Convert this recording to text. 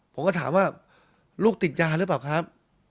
ผมก็ถามว่าลูกติดยาหรือเปล่าครับ